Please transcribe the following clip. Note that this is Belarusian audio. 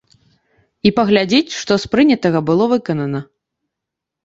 І паглядзіць, што з прынятага было выканана.